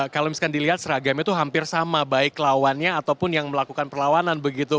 kalau misalkan dilihat seragamnya itu hampir sama baik lawannya ataupun yang melakukan perlawanan begitu